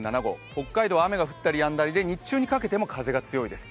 北海道、雨が降ったりやんだりで日中にかけても風が強いです。